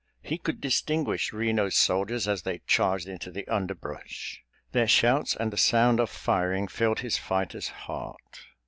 He could distinguish Reno's soldiers as they charged into the underbrush. Their shouts and the sound of firing filled his fighter's heart.